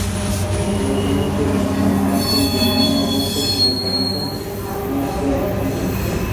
El nacimiento del Meno blanco y del Meno rojo se localizan en este distrito.